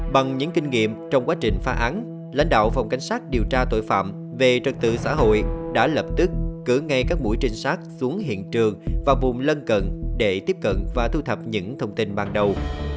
bằng những kinh nghiệm trong quá trình phá án lãnh đạo phòng cảnh sát điều tra tội phạm về trật tự xã hội đã lập tức cử ngay các mũi trinh sát xuống hiện trường và bùm lân cần để tiếp cận và thu thập những thông tin ban đầu